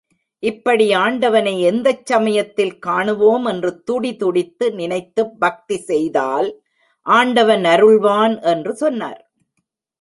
இப்படி ஆண்டவனை எந்தச் சமயத்தில் காணுவோம் என்று துடிதுடித்து நினைத்துப் பக்தி செய்தால் ஆண்டவன் அருள்வான் என்று சொன்னார்.